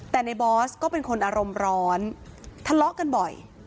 แต่ในบอสก็เป็นคนอารมณ์ร้อนทะเลาะกันบ่อย